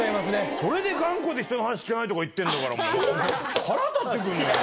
それで頑固で人の話聞かないとか言ってんだから、もう、腹立ってくるよ。